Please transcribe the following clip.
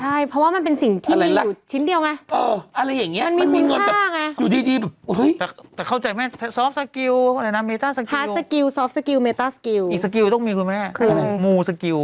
ใช่เพราะว่ามันเป็นสิ่งที่มีอยู่ชิ้นเดียวไง